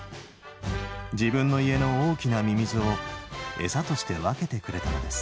自分の家の大きなミミズを餌として分けてくれたのです